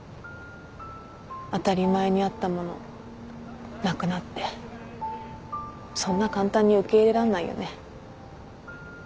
当たり前にあったものなくなってそんな簡単に受け入れらんないよね。